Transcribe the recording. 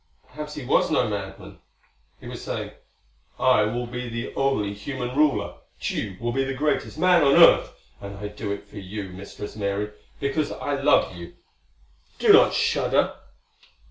Perhaps he was no madman.... He was saying, "I will be the only human ruler. Tugh will be the greatest man on Earth! And I do it for you, Mistress Mary because I love you. Do not shudder."